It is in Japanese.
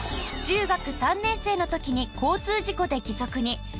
中学３年生の時に交通事故で義足に。